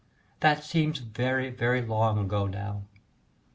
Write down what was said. that seems very, very long ago now.